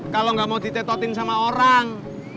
kalau gak mau ditetotin sama orang